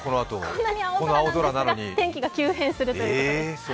こんなに青空なんですが天気が急変するということです。